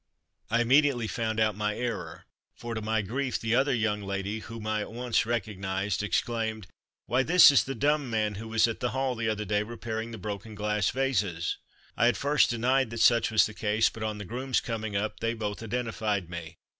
I immediately found out my error, for, to my grief, the other young lady, whom I at once recognized, exclaimed "Why this is the dumb man who was at the Hall the other day repairing the broken glass vases!" I at first denied that such was the case, but on the grooms coming up they both identified me.